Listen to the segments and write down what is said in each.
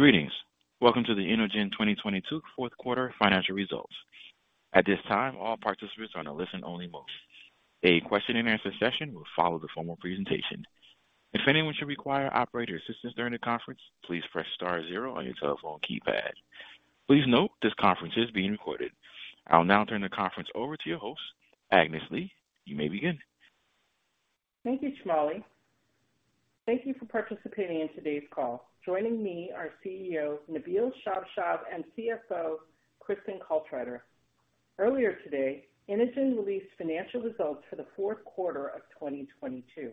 Greetings. Welcome to the Inogen 2022 Fourth Quarter Financial Results. At this time, all participants are on a listen-only mode. A question and answer session will follow the formal presentation. If anyone should require operator assistance during the conference, please press star zero on your telephone keypad. Please note this conference is being recorded. I'll now turn the conference over to your host, Agnes Lee. You may begin. Thank you Charlie. Thank you for participating in today's call. Joining me are CEO, Nabil Shabshab and CFO Kristin Caltrider. Earlier today, Inogen released financial results for the fourth quarter of 2022.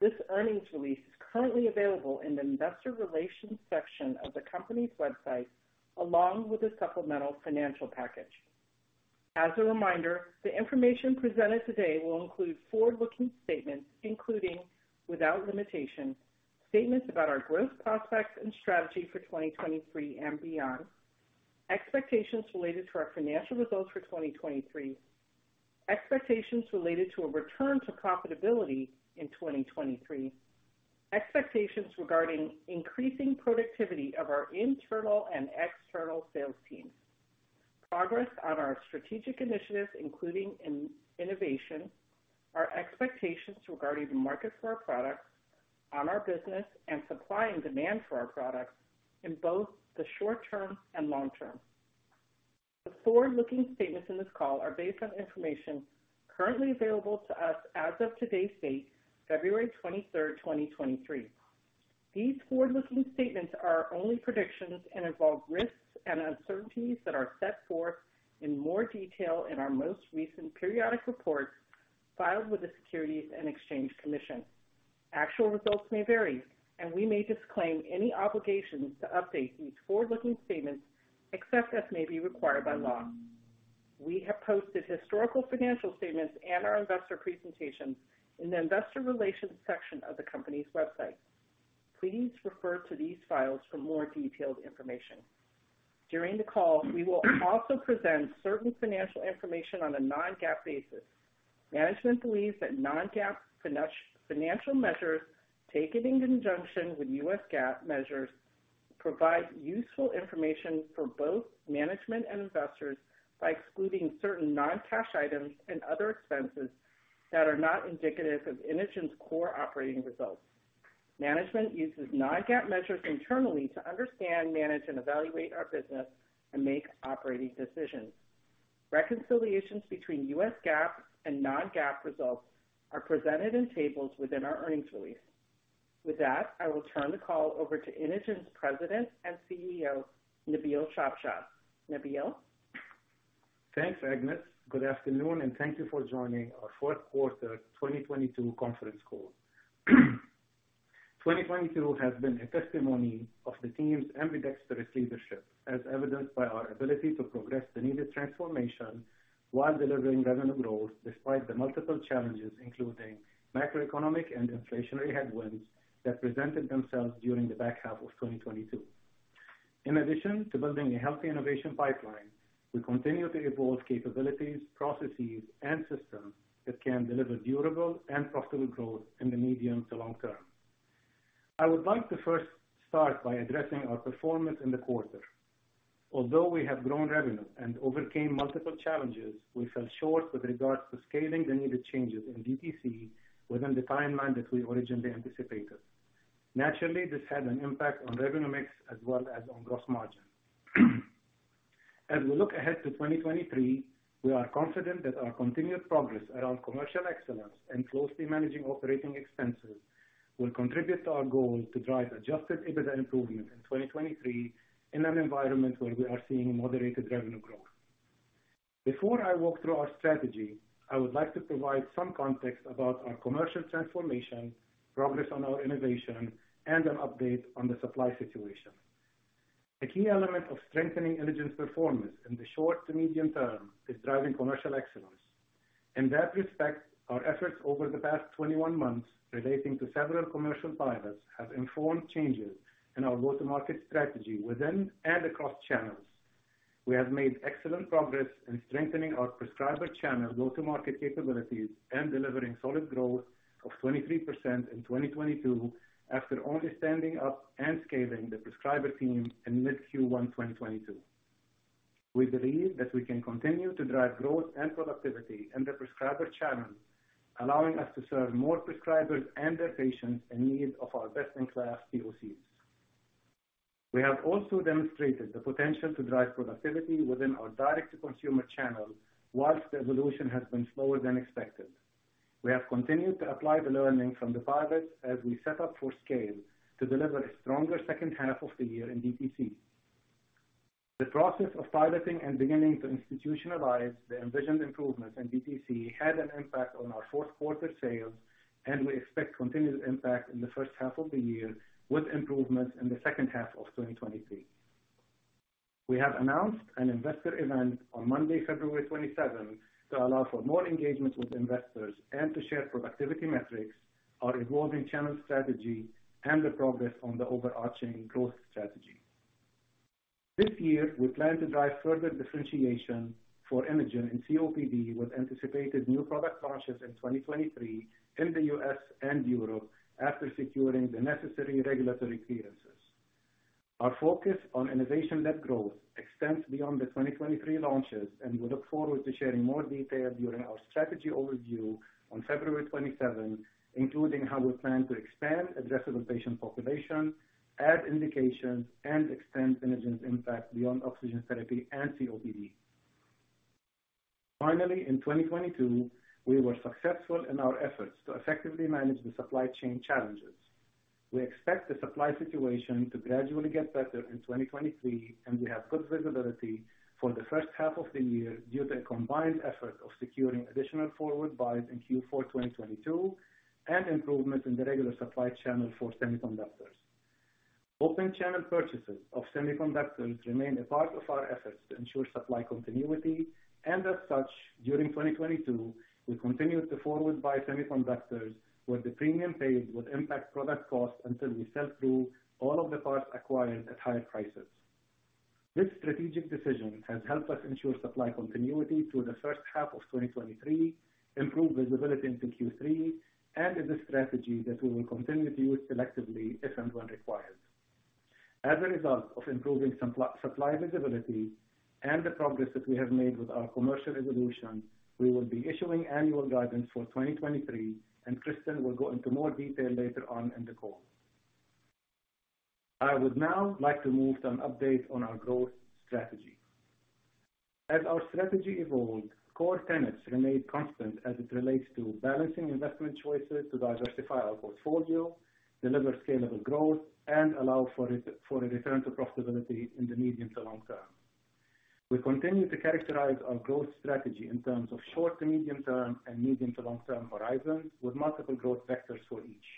This earnings release is currently available in the investor relations section of the company's website, along with the supplemental financial package. As a reminder, the information presented today will include forward-looking statements including, without limitation, statements about our growth prospects and strategy for 2023 and beyond, expectations related to our financial results for 2023, expectations related to a return to profitability in 2023, expectations regarding increasing productivity of our internal and external sales teams, progress on our strategic initiatives, including in-innovation, our expectations regarding the market for our products, on our business, and supply and demand for our products in both the short term and long term. The forward-looking statements in this call are based on information currently available to us as of today's date, February 23rd, 2023. These forward-looking statements are only predictions and involve risks and uncertainties that are set forth in more detail in our most recent periodic reports filed with the Securities and Exchange Commission. Actual results may vary, and we may disclaim any obligations to update these forward-looking statements, except as may be required by law. We have posted historical financial statements and our investor presentations in the investor relations section of the company's website. Please refer to these files for more detailed information. During the call, we will also present certain financial information on a non-GAAP basis. Management believes that non-GAAP financial measures, taken in conjunction with U.S. GAAP measures, provide useful information for both management and investors by excluding certain non-cash items and other expenses that are not indicative of Inogen's core operating results. Management uses non-GAAP measures internally to understand, manage, and evaluate our business and make operating decisions. Reconciliations between U.S. GAAP and non-GAAP results are presented in tables within our earnings release. With that, I will turn the call over to Inogen's President and CEO, Nabil Shabshab. Nabil? Thanks, Agnes. Good afternoon. Thank you for joining our fourth quarter 2022 conference call. 2022 has been a testimony of the team's ambidextrous leadership, as evidenced by our ability to progress the needed transformation while delivering revenue growth despite the multiple challenges, including macroeconomic and inflationary headwinds that presented themselves during the back half of 2022. In addition to building a healthy innovation pipeline, we continue to evolve capabilities, processes, and systems that can deliver durable and profitable growth in the medium to long term. I would like to first start by addressing our performance in the quarter. Although we have grown revenue and overcame multiple challenges, we fell short with regards to scaling the needed changes in DTC within the timeline that we originally anticipated. Naturally, this had an impact on revenue mix as well as on gross margin. As we look ahead to 2023, we are confident that our continued progress around commercial excellence and closely managing operating expenses will contribute to our goal to drive Adjusted EBITDA improvement in 2023 in an environment where we are seeing moderated revenue growth. Before I walk through our strategy, I would like to provide some context about our commercial transformation, progress on our innovation, and an update on the supply situation. A key element of strengthening Inogen's performance in the short to medium term is driving commercial excellence. In that respect, our efforts over the past 21 months relating to several commercial pilots have informed changes in our go-to-market strategy within and across channels. We have made excellent progress in strengthening our prescriber channel go-to-market capabilities and delivering solid growth of 23% in 2022 after only standing up and scaling the prescriber team in mid Q1 2022. We believe that we can continue to drive growth and productivity in the prescriber channel, allowing us to serve more prescribers and their patients in need of our best-in-class POCs. We have also demonstrated the potential to drive productivity within our direct-to-consumer channel while the evolution has been slower than expected. We have continued to apply the learning from the pilots as we set up for scale to deliver a stronger H2 of the year in DTC. The process of piloting and beginning to institutionalize the envisioned improvements in DTC had an impact on our fourth quarter sales. We expect continued impact in the H1 of the year, with improvements in the H2 of 2023. We have announced an investor event on Monday, February 27th, to allow for more engagement with investors and to share productivity metrics, our evolving channel strategy, and the progress on the overarching growth strategy. This year, we plan to drive further differentiation for Inogen in COPD with anticipated new product launches in 2023 in the U.S. and Europe after securing the necessary regulatory clearances. Our focus on innovation-led growth extends beyond the 2023 launches, and we look forward to sharing more details during our strategy overview on February 27th, including how we plan to expand addressable patient population, add indications and extend Inogen's impact beyond oxygen therapy and COPD. Finally, in 2022, we were successful in our efforts to effectively manage the supply chain challenges. We expect the supply situation to gradually get better in 2023, and we have good visibility for the H1 of the year due to a combined effort of securing additional forward buys in Q4 2022 and improvement in the regular supply channel for semiconductors. Open channel purchases of semiconductors remain a part of our efforts to ensure supply continuity. As such, during 2022, we continued to forward-buy semiconductors with the premium paid with impact product costs until we sell through all of the parts acquired at higher prices. This strategic decision has helped us ensure supply continuity through the H1 of 2023, improve visibility into Q3, and is a strategy that we will continue to use selectively if and when required. As a result of improving supply visibility and the progress that we have made with our commercial evolution, we will be issuing annual guidance for 2023, Kristin will go into more detail later on in the call. I would now like to move to an update on our growth strategy. As our strategy evolved, core tenets remained constant as it relates to balancing investment choices to diversify our portfolio, deliver scalable growth, and allow for a return to profitability in the medium to long term. We continue to characterize our growth strategy in terms of short to medium-term and medium-to-long-term horizons with multiple growth vectors for each.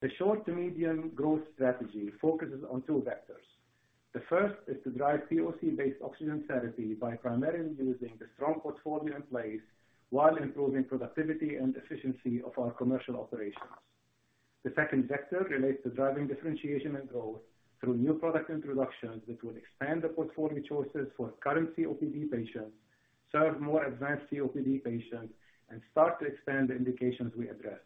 The short to medium growth strategy focuses on two vectors. The first is to drive POC-based oxygen therapy by primarily using the strong portfolio in place while improving productivity and efficiency of our commercial operations. The second vector relates to driving differentiation and growth through new product introductions that will expand the portfolio choices for current COPD patients, serve more advanced COPD patients, and start to expand the indications we address.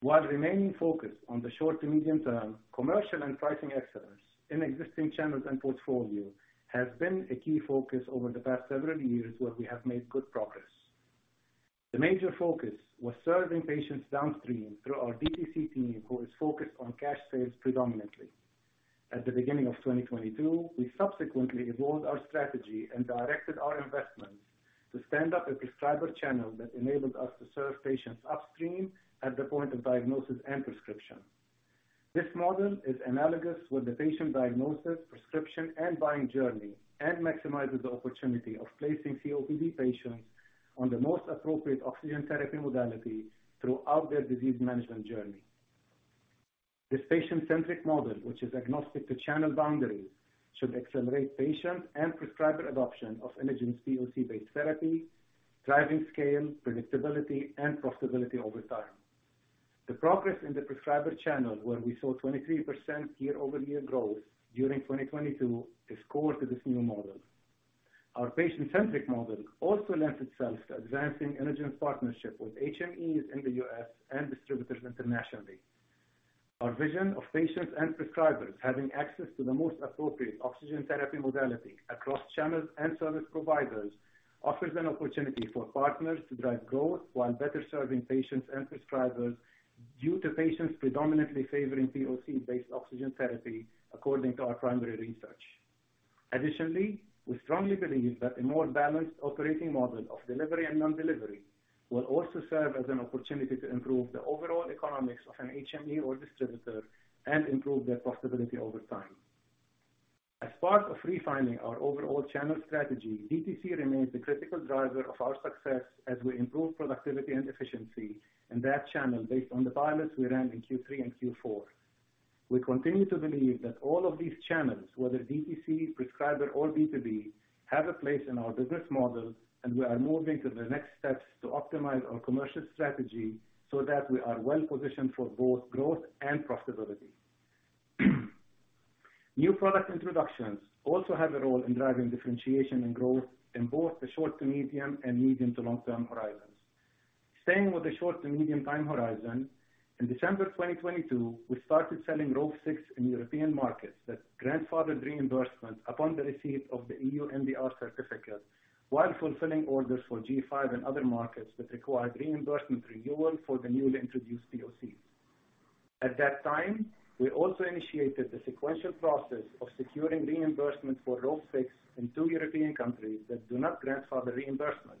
While remaining focused on the short to medium-term, commercial and pricing excellence in existing channels and portfolio has been a key focus over the past several years where we have made good progress. The major focus was serving patients downstream through our DTC team, who is focused on cash sales predominantly. At the beginning of 2022, we subsequently evolved our strategy and directed our investments to stand up a prescriber channel that enabled us to serve patients upstream at the point of diagnosis and prescription. This model is analogous with the patient diagnosis, prescription, and buying journey, and maximizes the opportunity of placing COPD patients on the most appropriate oxygen therapy modality throughout their disease management journey. This patient-centric model, which is agnostic to channel boundaries, should accelerate patient and prescriber adoption of Inogen's POC-based therapy, driving scale, predictability, and profitability over time. The progress in the prescriber channel, where we saw 23% year-over-year growth during 2022, is core to this new model. Our patient-centric model also lends itself to advancing Inogen's partnership with HMEs in the U.S. and distributors internationally. Our vision of patients and prescribers having access to the most appropriate oxygen therapy modality across channels and service providers offers an opportunity for partners to drive growth while better serving patients and prescribers due to patients predominantly favoring POC-based oxygen therapy according to our primary research. Additionally, we strongly believe that a more balanced operating model of delivery and non-delivery will also serve as an opportunity to improve the overall economics of an HME or distributor and improve their profitability over time. As part of refining our overall channel strategy, DTC remains the critical driver of our success as we improve productivity and efficiency in that channel based on the pilots we ran in Q3 and Q4. We continue to believe that all of these channels, whether DTC, prescriber, or B2B, have a place in our business model, and we are moving to the next steps to optimize our commercial strategy so that we are well-positioned for both growth and profitability. New product introductions also have a role in driving differentiation and growth in both the short to medium and medium to long-term horizons. Staying with the short to medium time horizon, in December 2022, we started selling Rove 6 in European markets that grandfathered reimbursement upon the receipt of the EU MDR certificate while fulfilling orders for G5 in other markets that required reimbursement renewal for the newly introduced POCs. At that time, we also initiated the sequential process of securing reimbursement for Rove 6 in two European countries that do not grandfather reimbursement.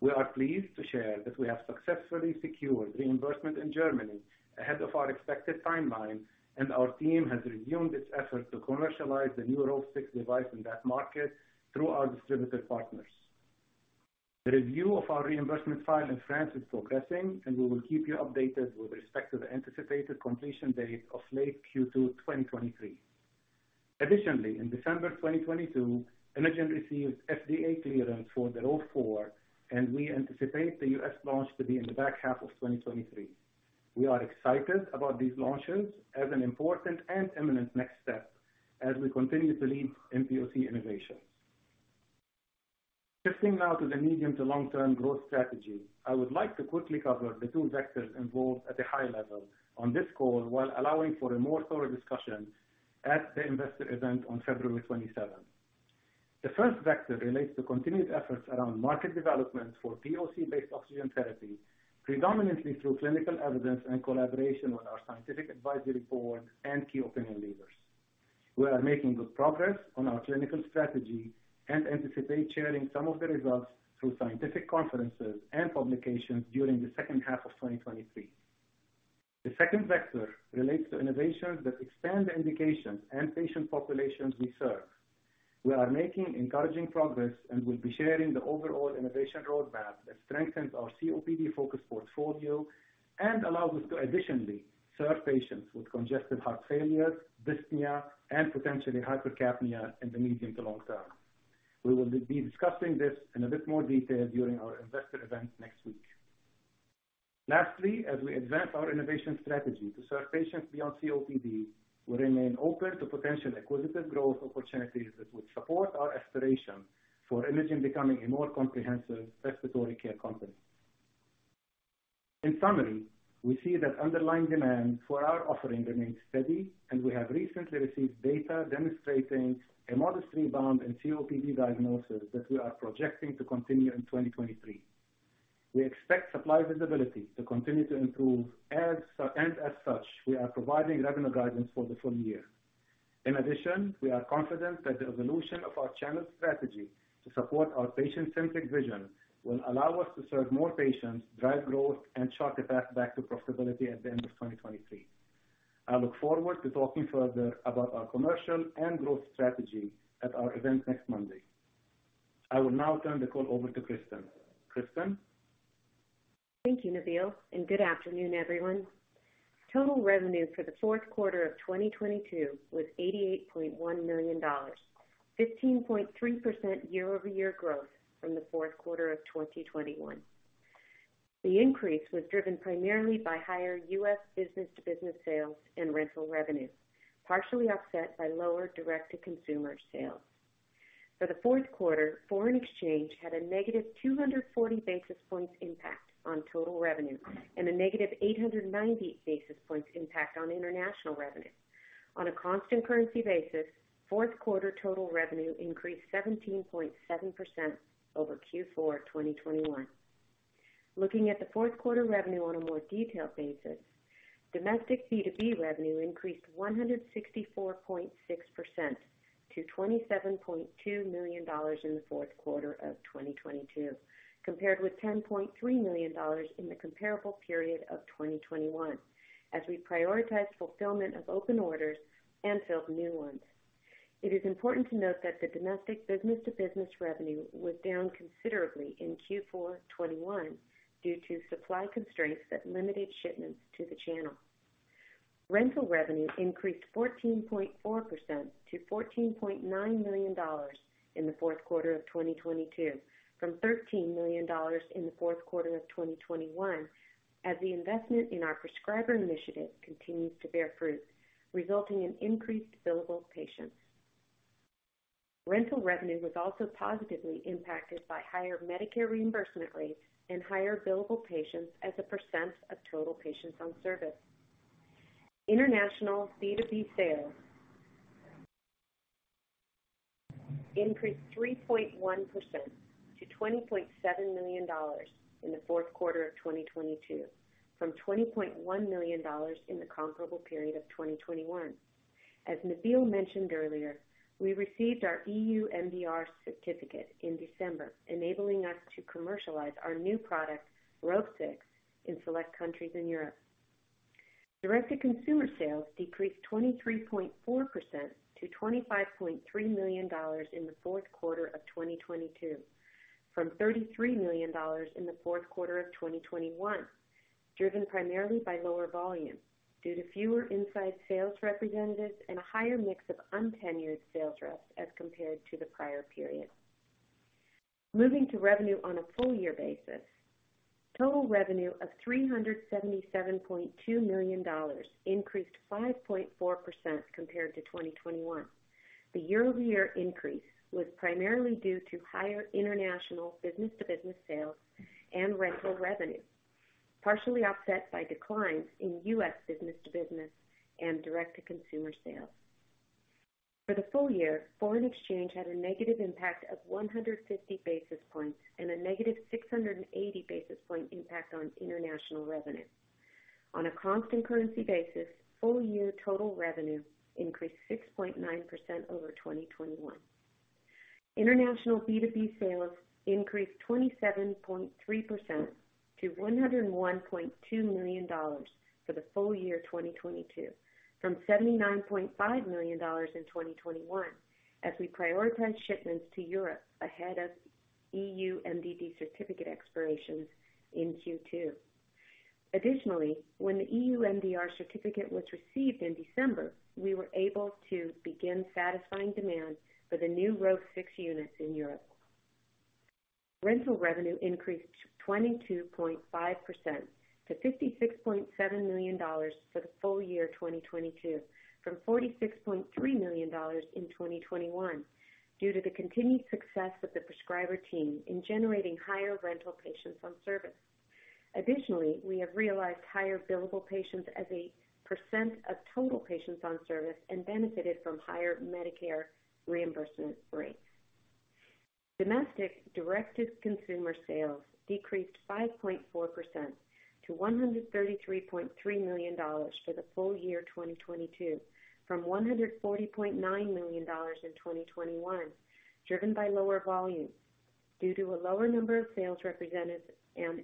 We are pleased to share that we have successfully secured reimbursement in Germany ahead of our expected timeline, and our team has resumed its efforts to commercialize the new Rove 6 device in that market through our distributor partners. The review of our reimbursement file in France is progressing, and we will keep you updated with respect to the anticipated completion date of late Q2 2023. Additionally, in December 2022, Inogen received FDA clearance for the Rove 4, and we anticipate the U.S. launch to be in the back half of 2023. We are excited about these launches as an important and imminent next step as we continue to lead POC innovation. Shifting now to the medium to long-term growth strategy. I would like to quickly cover the two vectors involved at a high level on this call, while allowing for a more thorough discussion at the investor event on February 27th. The first vector relates to continued efforts around market development for POC-based oxygen therapy, predominantly through clinical evidence and collaboration with our scientific advisory board and key opinion leaders. We are making good progress on our clinical strategy and anticipate sharing some of the results through scientific conferences and publications during the H2 of 2023. The second vector relates to innovations that expand the indications and patient populations we serve. We are making encouraging progress and will be sharing the overall innovation roadmap that strengthens our COPD-focused portfolio and allows us to additionally serve patients with congestive heart failure, dyspnea, and potentially hypercapnia in the medium to long term. We will be discussing this in a bit more detail during our investor event next week. Lastly, as we advance our innovation strategy to serve patients beyond COPD, we remain open to potential acquisitive growth opportunities that would support our aspiration for Inogen becoming a more comprehensive respiratory care company. In summary, we see that underlying demand for our offering remains steady, and we have recently received data demonstrating a modestly bound in COPD diagnosis that we are projecting to continue in 2023. We expect supply visibility to continue to improve and as such, we are providing revenue guidance for the full year. In addition, we are confident that the evolution of our channel strategy to support our patient-centric vision will allow us to serve more patients, drive growth, and chart the path back to profitability at the end of 2023. I look forward to talking further about our commercial and growth strategy at our event next Monday. I will now turn the call over to Kristin. Kristin? Thank you Nabil. Good afternoon everyone. Total revenue for the fourth quarter of 2022 was $88.1 million, 15.3% year-over-year growth from the fourth quarter of 2021. The increase was driven primarily by higher U.S. business-to-business sales and rental revenue, partially offset by lower direct-to-consumer sales. For the fourth quarter, foreign exchange had a negative 240 basis points impact on total revenue and a negative 890 basis points impact on international revenue. On a constant currency basis, fourth quarter total revenue increased 17.7% over Q4 2021. Looking at the fourth quarter revenue on a more detailed basis, domestic B2B revenue increased 164.6% to $27.2 million in the fourth quarter of 2022, compared with $10.3 million in the comparable period of 2021, as we prioritized fulfillment of open orders and filled new ones. It is important to note that the domestic business-to-business revenue was down considerably in Q4 2021 due to supply constraints that limited shipments to the channel. Rental revenue increased 14.4% to $14.9 million in the fourth quarter of 2022, from $13 million in the fourth quarter of 2021, as the investment in our prescriber initiative continues to bear fruit, resulting in increased billable patients. Rental revenue was also positively impacted by higher Medicare reimbursement rates and higher billable patients as a percent of total patients on service. International B2B sales increased 3.1% to $20.7 million in the fourth quarter of 2022 from $20.1 million in the comparable period of 2021. As Nabil mentioned earlier, we received our EU MDR certificate in December, enabling us to commercialize our new product, Rove 6, in select countries in Europe. Direct-to-consumer sales decreased 23.4% to $25.3 million in the fourth quarter of 2022, from $33 million in the fourth quarter of 2021, driven primarily by lower volume due to fewer inside sales representatives and a higher mix of untenured sales reps as compared to the prior period. Moving to revenue on a full-year basis. Total revenue of $377.2 million increased 5.4% compared to 2021. The year-over-year increase was primarily due to higher international business-to-business sales and rental revenue, partially offset by declines in U.S. business-to-business and direct-to-consumer sales. For the full year, foreign exchange had a negative impact of 150 basis points and a negative 680 basis point impact on international revenue. On a constant currency basis, full-year total revenue increased 6.9% over 2021. International B2B sales increased 27.3% to $101.2 million for the full year 2022, from $79.5 million in 2021 as we prioritize shipments to Europe ahead of EU MDD certificate expirations in Q2. Additionally, when the EU MDR certificate was received in December, we were able to begin satisfying demand for the new Rove 6 units in Europe. Rental revenue increased 22.5% to $56.7 million for the full year 2022, from $46.3 million in 2021 due to the continued success of the prescriber team in generating higher rental patients on service. Additionally, we have realized higher billable patients as a percent of total patients on service and benefited from higher Medicare reimbursement rates. Domestic directed consumer sales decreased 5.4% to $133.3 million for the full year 2022, from $140.9 million in 2021, driven by lower volume due to a lower number of sales representatives and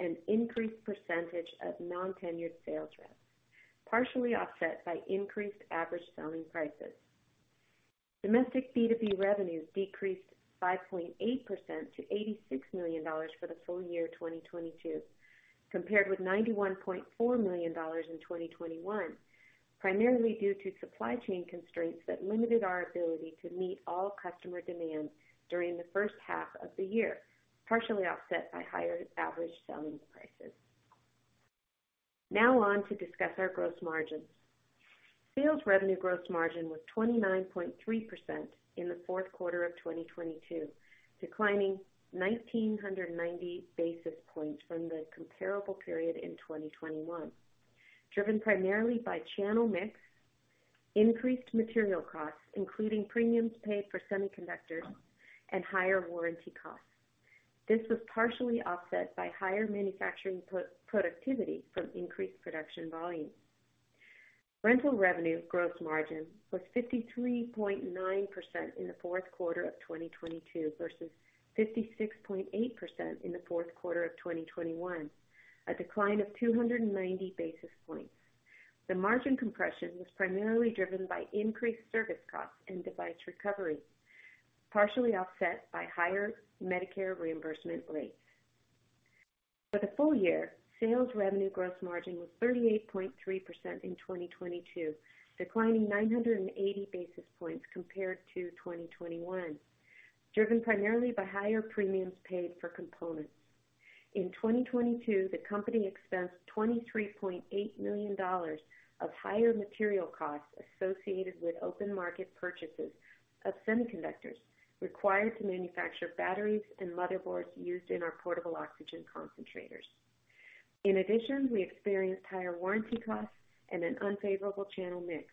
an increased percentage of non-tenured sales reps, partially offset by increased average selling prices. Domestic B2B revenues decreased 5.8% to $86 million for the full year 2022, compared with $91.4 million in 2021, primarily due to supply chain constraints that limited our ability to meet all customer demands during the H1 of the year, partially offset by higher average selling prices. On to discuss our gross margins. Sales revenue gross margin was 29.3% in the fourth quarter of 2022, declining 1,990 basis points from the comparable period in 2021, driven primarily by channel mix, increased material costs, including premiums paid for semiconductors and higher warranty costs. This was partially offset by higher manufacturing pro-productivity from increased production volume. Rental revenue gross margin was 53.9% in the fourth quarter of 2022 versus 56.8% in the fourth quarter of 2021, a decline of 290 basis points. The margin compression was primarily driven by increased service costs and device recovery, partially offset by higher Medicare reimbursement rates. For the full year, sales revenue gross margin was 38.3% in 2022, declining 980 basis points compared to 2021, driven primarily by higher premiums paid for components. In 2022, the company expensed $23.8 million of higher material costs associated with open market purchases of semiconductors required to manufacture batteries and motherboards used in our portable oxygen concentrators. In addition, we experienced higher warranty costs and an unfavorable channel mix,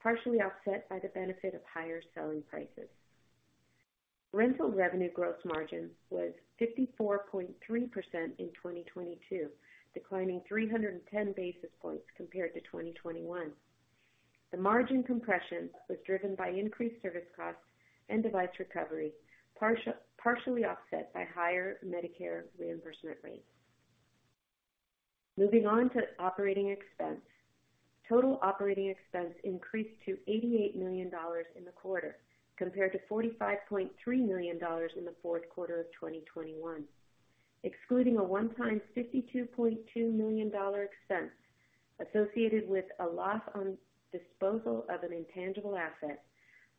partially offset by the benefit of higher selling prices. Rental revenue gross margin was 54.3% in 2022, declining 310 basis points compared to 2021. The margin compression was driven by increased service costs and device recovery, partially offset by higher Medicare reimbursement rates. Moving on to operating expense. Total operating expense increased to $88 million in the quarter, compared to $45.3 million in the fourth quarter of 2021. Excluding a one-time $52.2 million expense associated with a loss on disposal of an intangible asset,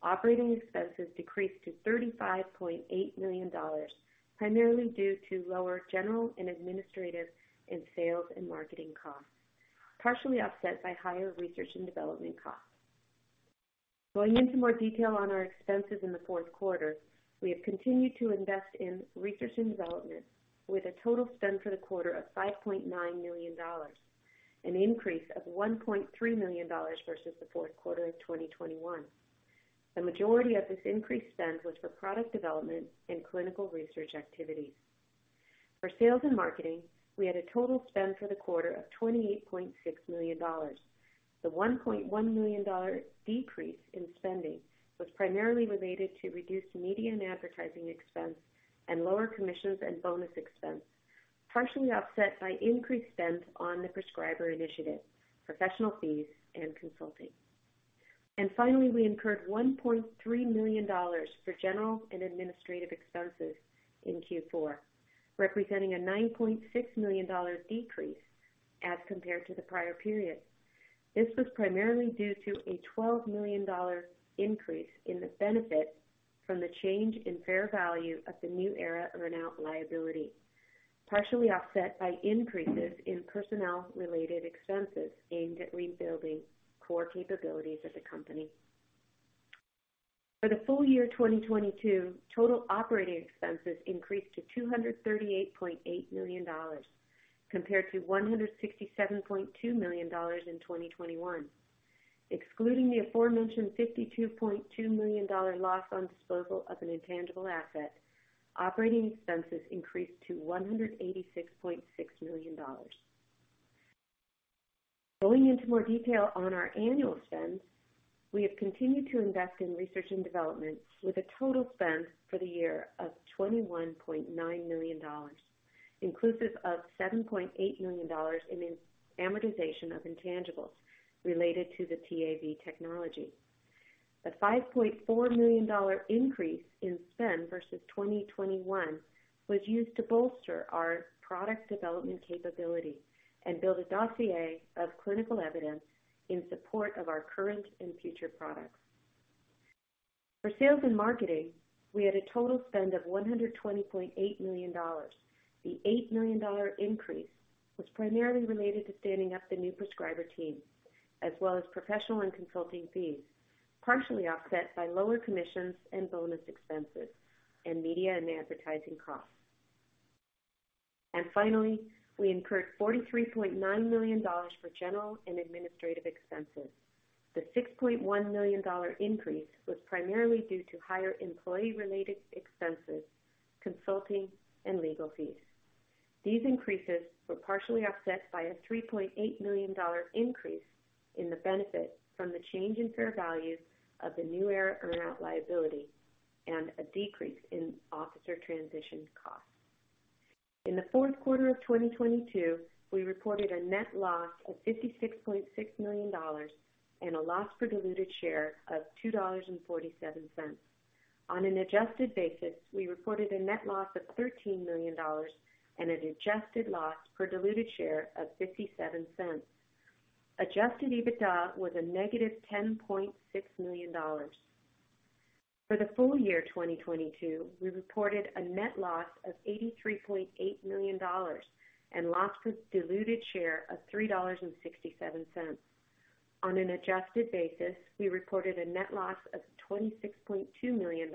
operating expenses decreased to $35.8 million, primarily due to lower general and administrative and sales and marketing costs, partially offset by higher research and development costs. Going into more detail on our expenses in the fourth quarter. We have continued to invest in research and development with a total spend for the quarter of $5.9 million, an increase of $1.3 million versus the fourth quarter of 2021. The majority of this increased spend was for product development and clinical research activities. For sales and marketing, we had a total spend for the quarter of $28.6 million. The $1.1 million decrease in spending was primarily related to reduced media and advertising expense and lower commissions and bonus expense, partially offset by increased spend on the prescriber initiative, professional fees and consulting. Finally, we incurred $1.3 million for general and administrative expenses in Q4, representing a $9.6 million decrease as compared to the prior period. This was primarily due to a $12 million increase in the benefit from the change in fair value of the New Aera earnout liability, partially offset by increases in personnel-related expenses aimed at rebuilding core capabilities of the company. For the full year 2022, total operating expenses increased to $238.8 million compared to $167.2 million in 2021. Excluding the aforementioned $52.2 million loss on disposal of an intangible asset, operating expenses increased to $186.6 million. Going into more detail on our annual spend. We have continued to invest in research and development with a total spend for the year of $21.9 million, inclusive of $7.8 million in amortization of intangibles related to the TAV technology. A $5.4 million increase in spend versus 2021 was used to bolster our product development capability and build a dossier of clinical evidence in support of our current and future products. For sales and marketing, we had a total spend of $120.8 million. The $8 million increase was primarily related to standing up the new prescriber team, as well as professional and consulting fees, partially offset by lower commissions and bonus expenses and media and advertising costs. Finally, we incurred $43.9 million for general and administrative expenses. The $6.1 million increase was primarily due to higher employee-related expenses, consulting, and legal fees. These increases were partially offset by a $3.8 million increase in the benefit from the change in fair value of the New Aera earnout liability and a decrease in officer transition costs. In the fourth quarter of 2022, we reported a net loss of $56.6 million and a loss per diluted share of $2.47. On an adjusted basis, we reported a net loss of $13 million and an adjusted loss per diluted share of $0.57. Adjusted EBITDA was a -$10.6 million. For the full year 2022, we reported a net loss of $83.8 million and loss per diluted share of $3.67. On an adjusted basis, we reported a net loss of $26.2 million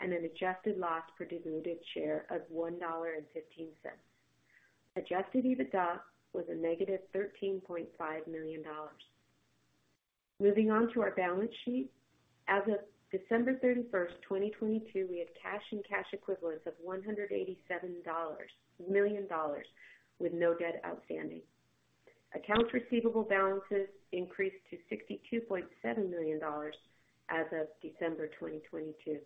and an adjusted loss per diluted share of $1.15. Adjusted EBITDA was a -$13.5 million. Moving on to our balance sheet. As of December 31, 2022, we had cash and cash equivalents of $187 million with no debt outstanding. Accounts receivable balances increased to $62.7 million as of December 2022,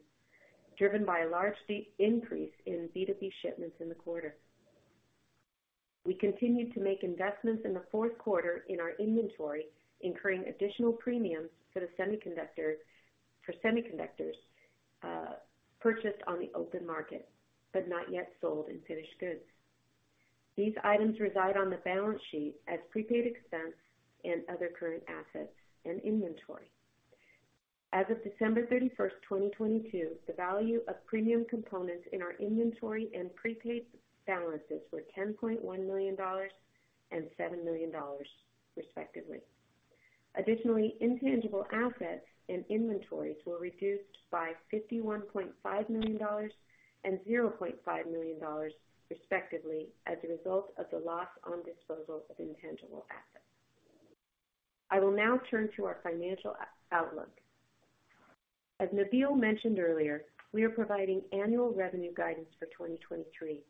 driven by a large state increase in B2B shipments in the quarter. We continued to make investments in the fourth quarter in our inventory, incurring additional premiums for semiconductors purchased on the open market, but not yet sold in finished goods. These items reside on the balance sheet as prepaid expense and other current assets and inventory. As of December 31st, 2022, the value of premium components in our inventory and prepaid balances were $10.1 million and $7 million, respectively. Intangible assets and inventories were reduced by $51.5 million and $0.5 million, respectively, as a result of the loss on disposal of intangible assets. I will now turn to our financial outlook. As Nabil mentioned earlier, we are providing annual revenue guidance for 2023.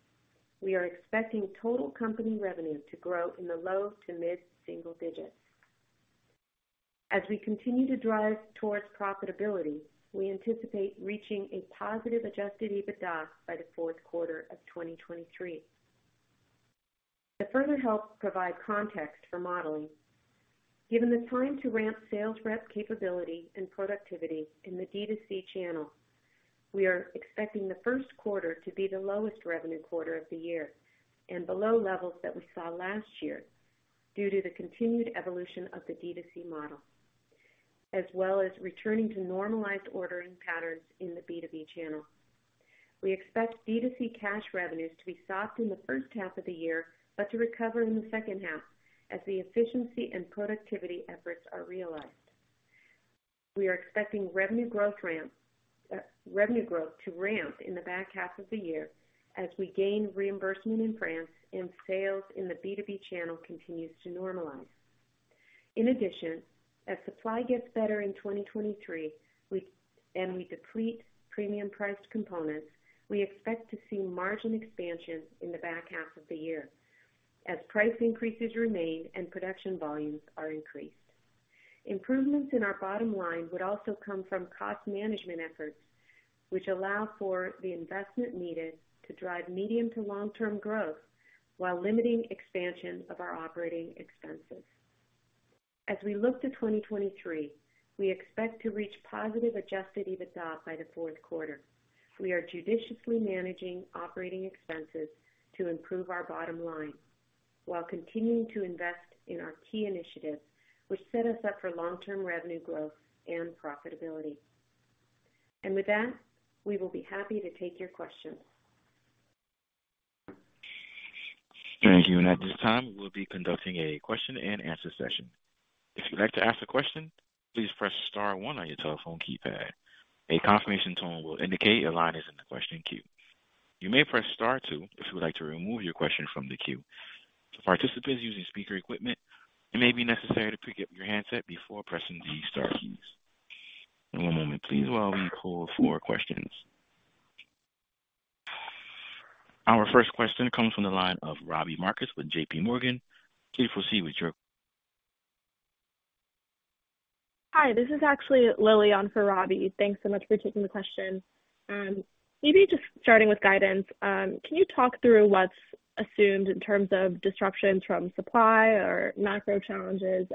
We are expecting total company revenue to grow in the low to mid-single digits. As we continue to drive towards profitability, we anticipate reaching a positive Adjusted EBITDA by the fourth quarter of 2023. To further help provide context for modeling, given the time to ramp sales rep capability and productivity in the D2C channel, we are expecting the first quarter to be the lowest revenue quarter of the year and below levels that we saw last year due to the continued evolution of the D2C model, as well as returning to normalized ordering patterns in the B2B channel. We expect D2C cash revenues to be soft in the H1 of the year, but to recover in the H2 as the efficiency and productivity efforts are realized. We are expecting revenue growth to ramp in the back half of the year as we gain reimbursement in France and sales in the B2B channel continues to normalize. In addition, as supply gets better in 2023, and we deplete premium priced components, we expect to see margin expansion in the back half of the year as price increases remain and production volumes are increased. Improvements in our bottom line would also come from cost management efforts, which allow for the investment needed to drive medium to long-term growth while limiting expansion of our operating expenses. As we look to 2023, we expect to reach positive Adjusted EBITDA by the fourth quarter. We are judiciously managing operating expenses to improve our bottom line while continuing to invest in our key initiatives, which set us up for long-term revenue growth and profitability. With that, we will be happy to take your questions. Thank you. At this time, we'll be conducting a question and answer session. If you'd like to ask a question, please press star one on your telephone keypad. A confirmation tone will indicate your line is in the question queue. You may press star two if you would like to remove your question from the queue. For participants using speaker equipment, it may be necessary to pick up your handset before pressing the star keys. One moment please while we pull for questions. Our first question comes from the line of Robbie Marcus with JPMorgan. Please proceed. Hi, this is actually Lily on for Robbie. Thanks so much for taking the question. Maybe just starting with guidance. Can you talk through what's assumed in terms of disruptions from supply or macro challenges,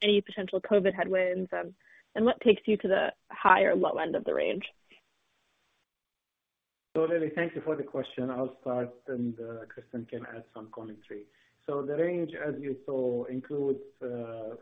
any potential Covid headwinds, and what takes you to the high or low end of the range? Lily, thank you for the question. I'll start and Kristin can add some commentary. The range, as you saw, includes there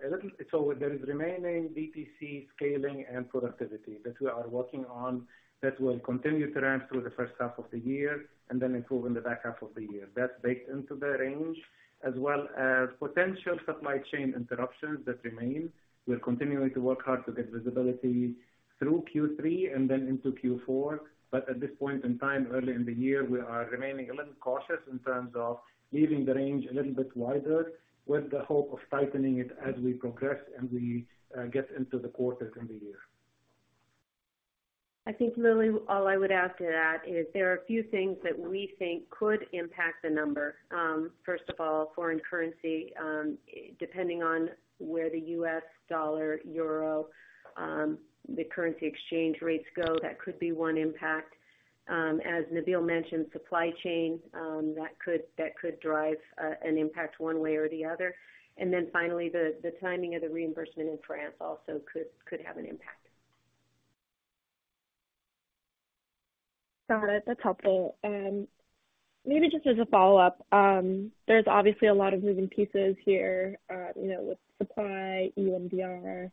is remaining DTC scaling and productivity that we are working on that will continue to ramp through the H1 of the year and then improve in the back half of the year. That's baked into the range as well as potential supply chain interruptions that remain. We're continuing to work hard to get visibility through Q3 and then into Q4 but at this point in time, early in the year, we are remaining a little cautious in terms of leaving the range a little bit wider with the hope of tightening it as we progress and we get into the quarters in the year. I think, Lily, all I would add to that is there are a few things that we think could impact the number. First of all, foreign currency, depending on where the U.S. dollar, Euro, the currency exchange rates go, that could be one impact. As Nabil mentioned, supply chain, that could drive an impact one way or the other. Then finally, the timing of the reimbursement in France also could have an impact. Got it. That's helpful. maybe just as a follow-up, there's obviously a lot of moving pieces here, you know, with supply, demand.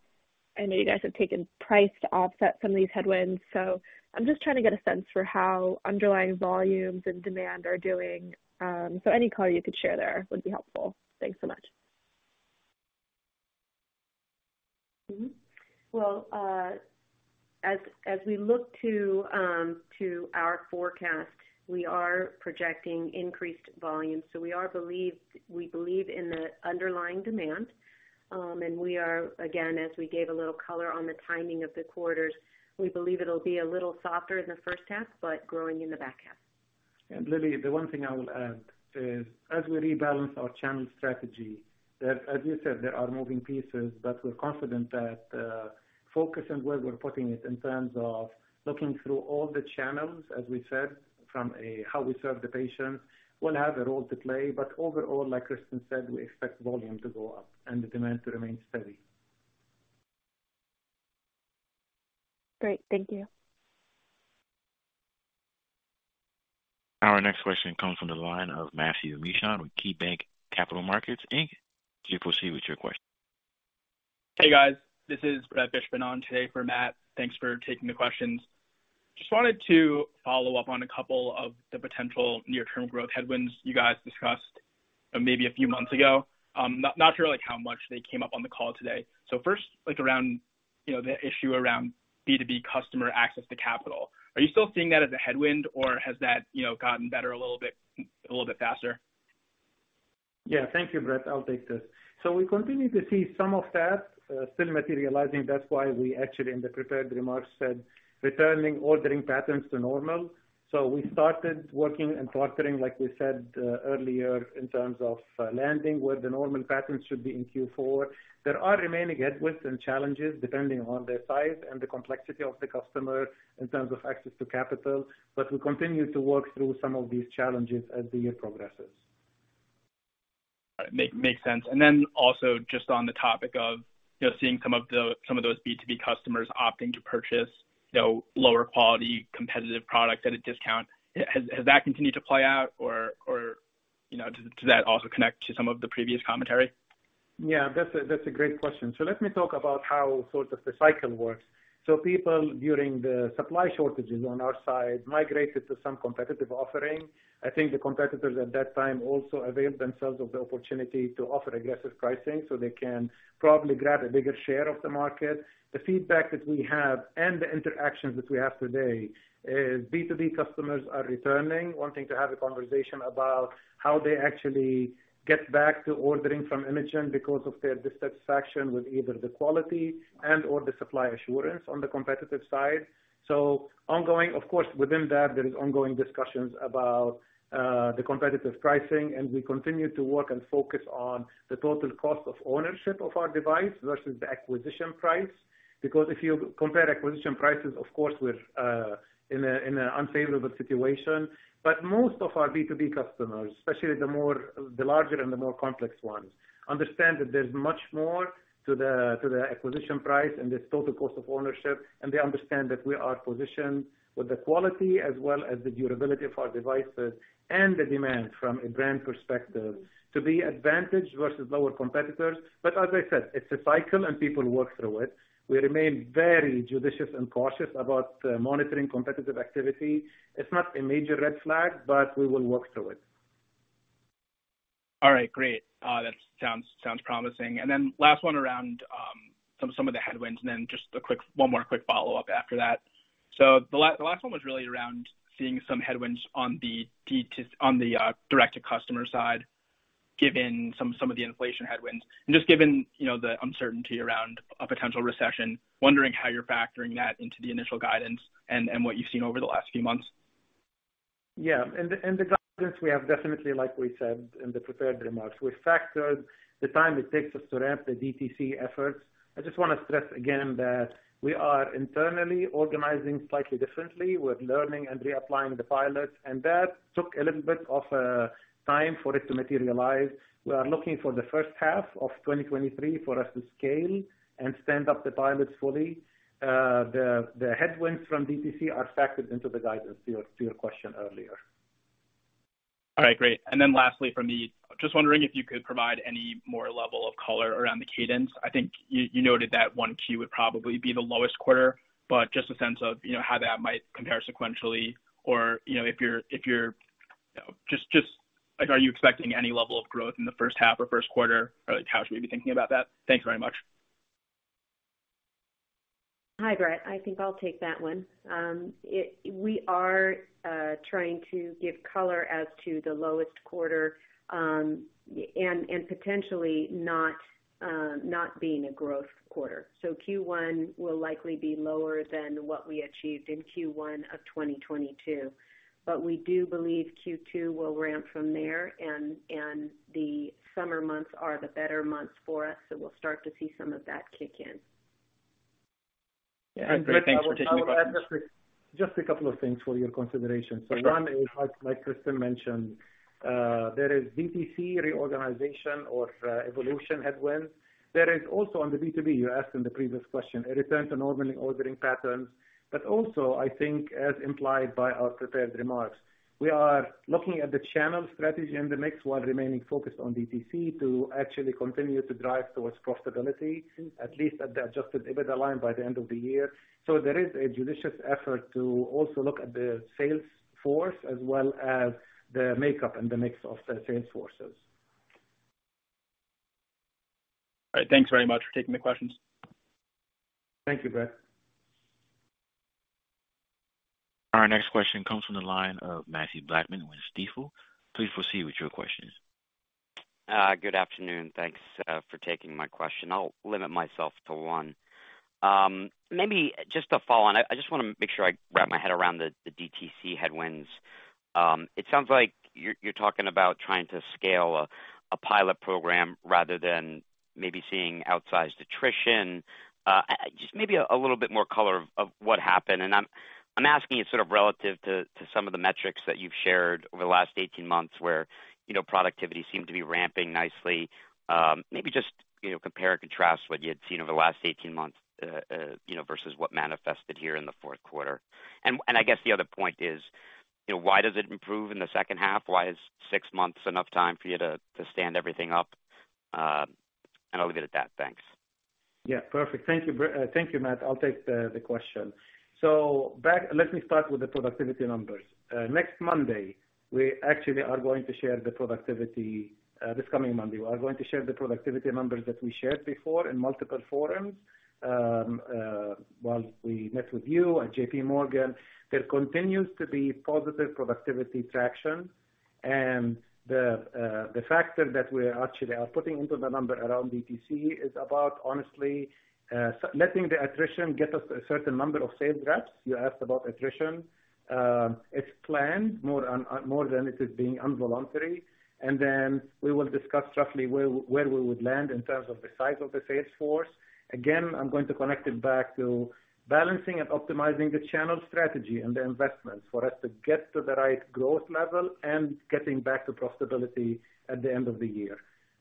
I know you guys have taken price to offset some of these headwinds, so I'm just trying to get a sense for how underlying volumes and demand are doing. Any color you could share there would be helpful. Thanks so much. As, as we look to our forecast, we are projecting increased volume. We believe in the underlying demand, and we are again, as we gave a little color on the timing of the quarters, we believe it'll be a little softer in the H1 but growing in the back half. Lily, the one thing I will add is as we rebalance our channel strategy, as you said, there are moving pieces, but we're confident that focus and where we're putting it in terms of looking through all the channels, as we said, from a how we serve the patient, will have a role to play. Overall, like Kristin said, we expect volume to go up and the demand to remain steady. Great. Thank you. Our next question comes from the line of Matthew Mishan with KeyBanc Capital Markets Inc. Please proceed with your question. Hey, guys. This is Brett Fishbin today for Matthew Mishan. Thanks for taking the questions. Just wanted to follow up on a couple of the potential near-term growth headwinds you guys discussed maybe a few months ago. Not sure, like, how much they came up on the call today. First, like, around, you know, the issue around B2B customer access to capital. Are you still seeing that as a headwind or has that, you know, gotten better a little bit faster? Yeah. Thank you Brett. I'll take this. We continue to see some of that still materializing. That's why we actually, in the prepared remarks, said returning ordering patterns to normal. We started working and partnering, like we said, earlier in terms of landing where the normal patterns should be in Q4. There are remaining headwinds and challenges depending on their size and the complexity of the customer in terms of access to capital. We'll continue to work through some of these challenges as the year progresses. Makes sense. Also just on the topic of, you know, seeing some of those B2B customers opting to purchase, you know, lower quality competitive products at a discount. Has that continued to play out or, you know, does that also connect to some of the previous commentary? That's a great question. Let me talk about how sort of the cycle works. People, during the supply shortages on our side, migrated to some competitive offering. I think the competitors at that time also availed themselves of the opportunity to offer aggressive pricing so they can probably grab a bigger share of the market. The feedback that we have and the interactions that we have today is B2B customers are returning, wanting to have a conversation about how they actually get back to ordering from Inogen because of their dissatisfaction with either the quality and/or the supply assurance on the competitive side. Of course, within that, there is ongoing discussions about the competitive pricing, and we continue to work and focus on the total cost of ownership of our device versus the acquisition price. If you compare acquisition prices, of course, in an unfavorable situation. Most of our B2B customers, especially the larger and the more complex ones, understand that there's much more to the acquisition price and this total cost of ownership. They understand that we are positioned with the quality as well as the durability of our devices and the demand from a brand perspective to be advantaged versus lower competitors. As I said, it's a cycle and people work through it. We remain very judicious and cautious about monitoring competitive activity. It's not a major red flag, but we will work through it. All right, great. That sounds promising. Last one around some of the headwinds and then just one more quick follow-up after that. The last one was really around seeing some headwinds on the direct-to-customer side, given some of the inflation headwinds. Just given, you know, the uncertainty around a potential recession, wondering how you're factoring that into the initial guidance and what you've seen over the last few months. In the, in the guidance, we have definitely, like we said in the prepared remarks, we factored the time it takes us to ramp the DTC efforts. I just wanna stress again that we are internally organizing slightly differently. We're learning and reapplying the pilots, and that took a little bit of time for it to materialize. We are looking for the H1 of 2023 for us to scale and stand up the pilots fully. The, the headwinds from DTC are factored into the guidance to your, to your question earlier. All right, great. Lastly from me, just wondering if you could provide any more level of color around the cadence. I think you noted that 1Q would probably be the lowest quarter, but just a sense of, you know, how that might compare sequentially or, you know, if you're, you know, just like, are you expecting any level of growth in the H1 or first quarter? How should we be thinking about that? Thanks very much. Hi, Brett. I think I'll take that one. We are trying to give color as to the lowest quarter, and potentially not being a growth quarter. Q1 will likely be lower than what we achieved in Q1 of 2022. We do believe Q2 will ramp from there and the summer months are the better months for us, so we'll start to see some of that kick in. Yeah. Great. Thanks for taking my questions. Just a couple of things for your consideration. Sure. One is, like Kristin mentioned, there is DTC reorganization or evolution headwinds. There is also on the B2B, you asked in the previous question, a return to normal ordering patterns. Also, I think as implied by our prepared remarks, we are looking at the channel strategy and the mix while remaining focused on DTC to actually continue to drive towards profitability, at least at the Adjusted EBITDA line by the end of the year. There is a judicious effort to also look at the sales force as well as the makeup and the mix of the sales forces. All right. Thanks very much for taking the questions. Thank you Brett. Our next question comes from the line of Mathew Blackman with Stifel. Please proceed with your questions. Good afternoon. Thanks for taking my question. I'll limit myself to one. Maybe just to follow on, I just wanna make sure I wrap my head around the DTC headwinds. It sounds like you're talking about trying to scale a pilot program rather than maybe seeing outsized attrition. Just maybe a little bit more color of what happened. I'm asking you sort of relative to some of the metrics that you've shared over the last 18 months, where, you know, productivity seemed to be ramping nicely. Maybe just, you know, compare and contrast what you had seen over the last 18 months, you know, versus what manifested here in the fourth quarter. I guess the other point is, you know, why does it improve in the H2? Why is six months enough time for you to stand everything up? I'll leave it at that. Thanks. Yeah. Perfect. Thank you. Thank you Matt. I'll take the question. Let me start with the productivity numbers. Next Monday, we actually are going to share the productivity, this coming Monday, we are going to share the productivity numbers that we shared before in multiple forums. While we met with you at JPMorgan, there continues to be positive productivity traction. The factor that we actually are putting into the number around DTC is about honestly, letting the attrition get us a certain number of sales reps. You asked about attrition. It's planned more than it is being involuntary. We will discuss roughly where we would land in terms of the size of the sales force. Again, I'm going to connect it back to balancing and optimizing the channel strategy and the investments for us to get to the right growth level and getting back to profitability at the end of the year.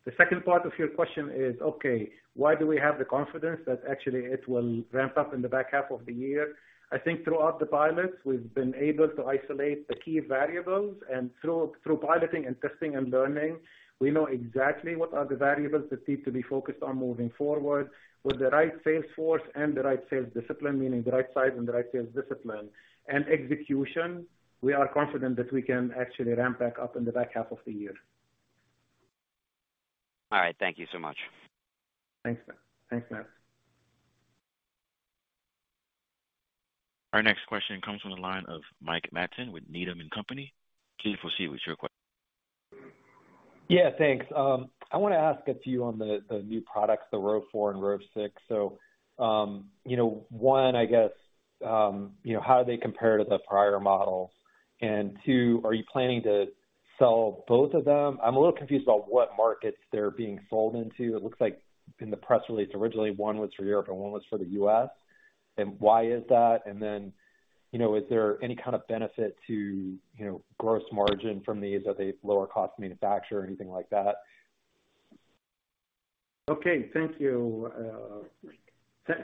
The second part of your question is, okay, why do we have the confidence that actually it will ramp up in the back half of the year? I think throughout the pilots, we've been able to isolate the key variables, and through piloting and testing and learning, we know exactly what are the variables that need to be focused on moving forward. With the right sales force and the right sales discipline, meaning the right size and the right sales discipline and execution, we are confident that we can actually ramp back up in the back half of the year. All right. Thank you so much. Thanks. Thanks Matt. Our next question comes from the line of Mike Matson with Needham & Company. Please proceed with your que-. Yeah, thanks. I wanna ask a few on the new products, the Rove 4 and Rove 6. You know, one, I guess, you know, how do they compare to the prior models? Two, are you planning to sell both of them? I'm a little confused about what markets they're being sold into. It looks like in the press release, originally one was for Europe and one was for the U.S. Why is that? You know, is there any kind of benefit to, you know, gross margin from these? Are they lower cost to manufacture or anything like that? Okay. Thank you.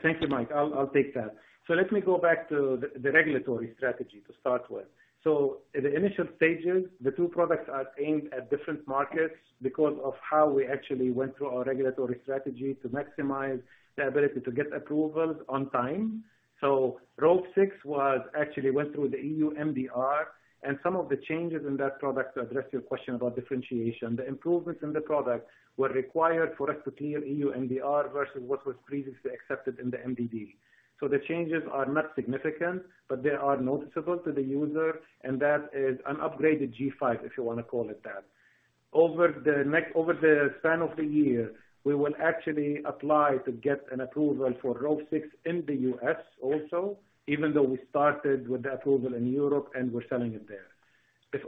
Thank you Mike. I'll take that. Let me go back to the regulatory strategy to start with. At the initial stages, the two products are aimed at different markets because of how we actually went through our regulatory strategy to maximize the ability to get approvals on time. Rove 6 actually went through the EU MDR and some of the changes in that product to address your question about differentiation. The improvements in the product were required for us to clear EU MDR versus what was previously accepted in the MDD. The changes are not significant, but they are noticeable to the user, and that is an upgraded G5, if you wanna call it that. Over the span of the year, we will actually apply to get an approval for Rove 6 in the U.S. also, even though we started with the approval in Europe and we're selling it there.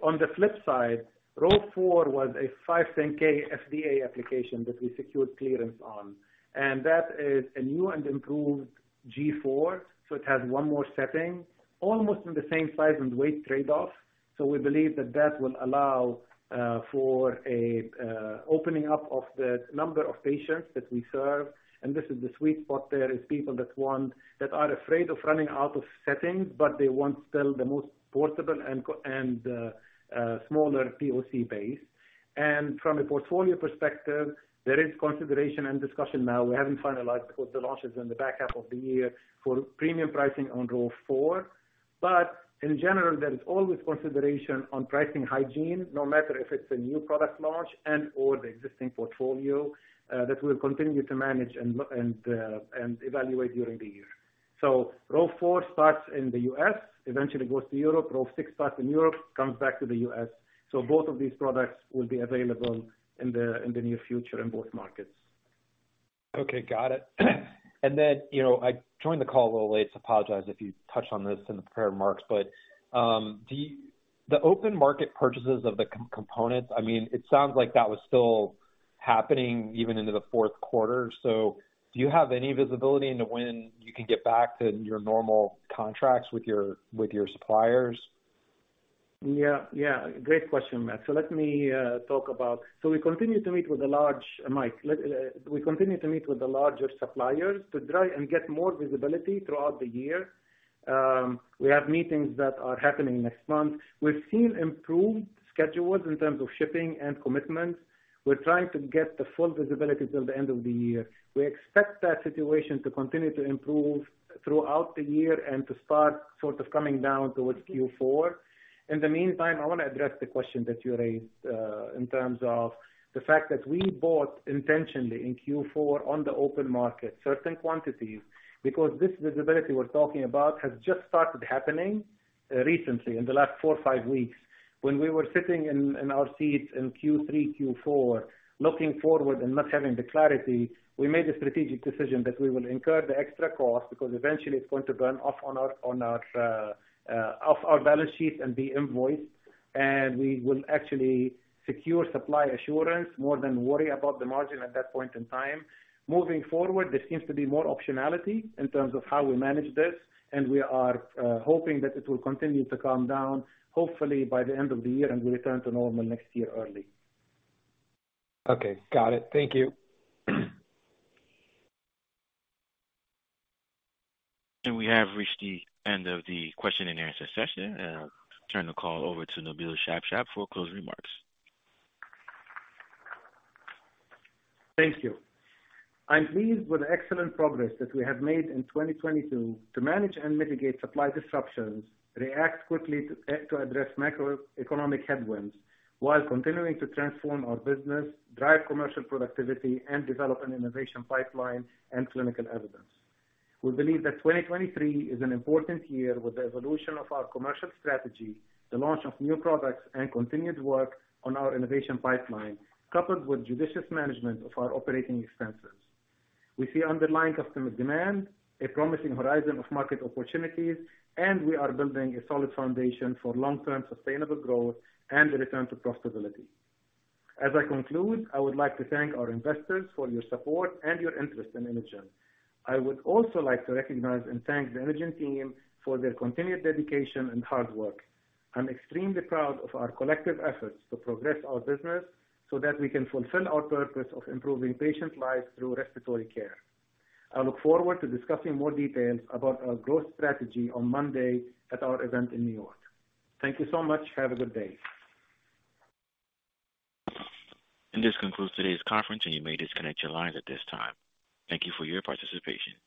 On the flip side, Rove 4 was a 510(k) FDA application that we secured clearance on, and that is a new and improved G4, so it has one more setting, almost in the same size and weight trade-off. We believe that that will allow for a opening up of the number of patients that we serve. This is the sweet spot there, is people that are afraid of running out of settings, but they want still the most portable and smaller POC base. From a portfolio perspective, there is consideration and discussion now, we haven't finalized because the launch is in the back half of the year, for premium pricing on Rove 4. In general, there is always consideration on pricing hygiene, no matter if it's a new product launch and/or the existing portfolio, that we'll continue to manage and evaluate during the year. Rove 4 starts in the U.S., eventually goes to Europe. Rove 6 starts in Europe, comes back to the U.S. Both of these products will be available in the, in the near future in both markets. Okay, got it. You know, I joined the call a little late, so apologize if you touched on this in the prepared remarks, but the open market purchases of the components, I mean, it sounds like that was still happening even into the fourth quarter. Do you have any visibility into when you can get back to your normal contracts with your, with your suppliers? Yeah. Yeah. Great question Mike. We continue to meet with the larger suppliers to try and get more visibility throughout the year. We have meetings that are happening next month. We've seen improved schedules in terms of shipping and commitments. We're trying to get the full visibility till the end of the year. We expect that situation to continue to improve throughout the year and to start sort of coming down towards Q4. In the meantime, I wanna address the question that you raised in terms of the fact that we bought intentionally in Q4 on the open market certain quantities. Because this visibility we're talking about has just started happening recently in the last four or five weeks. When we were sitting in our seats in Q3, Q4, looking forward and not having the clarity, we made a strategic decision that we will incur the extra cost because eventually it's going to burn off on our off our balance sheet and be invoiced. We will actually secure supply assurance more than worry about the margin at that point in time. Moving forward, there seems to be more optionality in terms of how we manage this, we are hoping that it will continue to calm down hopefully by the end of the year and will return to normal next year early. Okay, got it. Thank you. We have reached the end of the question and answer session. I'll turn the call over to Nabil Shabshab for closing remarks. Thank you. I'm pleased with the excellent progress that we have made in 2022 to manage and mitigate supply disruptions, react quickly to address macroeconomic headwinds while continuing to transform our business, drive commercial productivity, and develop an innovation pipeline and clinical evidence. We believe that 2023 is an important year with the evolution of our commercial strategy, the launch of new products, and continued work on our innovation pipeline, coupled with judicious management of our operating expenses. We see underlying customer demand, a promising horizon of market opportunities, and we are building a solid foundation for long-term sustainable growth and the return to profitability. As I conclude, I would like to thank our investors for your support and your interest in Inogen. I would also like to recognize and thank the Inogen team for their continued dedication and hard work. I'm extremely proud of our collective efforts to progress our business so that we can fulfill our purpose of improving patients' lives through respiratory care. I look forward to discussing more details about our growth strategy on Monday at our event in New York. Thank you so much. Have a good day. This concludes today's conference, and you may disconnect your lines at this time. Thank you for your participation.